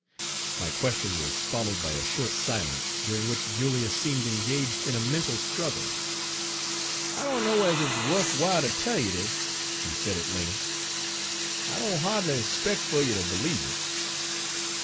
My question was followed by a short silence, during which Julius seemed engaged in a mental struggle. "I dunno ez hit's wuf w'ile ter tell you dis," he said, at length. "I doan Page 107 ha'dly 'spec' fer you ter b'lieve it.